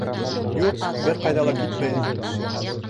— Юҡ, бер ҡайҙа ла китмәйем.